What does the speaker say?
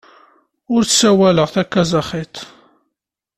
Ur ssawaleɣ takazaxit.